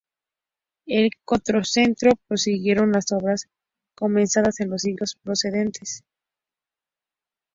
En el Quattrocento prosiguieron las obras comenzadas en los siglos precedentes.